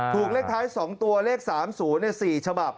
ถูกเลขท้าย๒ตัว๐๓๐นี่๔ฉบับ